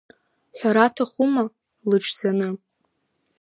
Ҳәара аҭахума, лыҽӡаны.